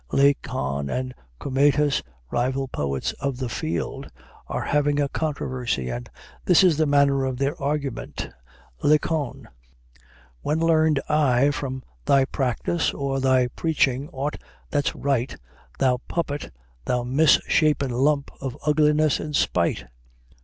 Lacon and Cometas, rival poets of the field, are having a controversy, and this is the manner of their argument: "LACON "When learned I from thy practice or thy preaching aught that's right, Thou puppet, thou mis shapen lump of ugliness and spite?